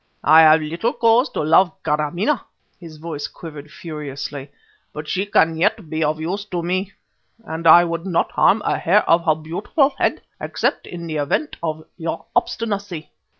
I have little cause to love Kâramaneh" his voice quivered furiously "but she can yet be of use to me, and I would not harm a hair of her beautiful head except in the event of your obstinacy.